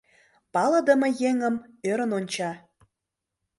Палыдыме еҥым ӧрын онча.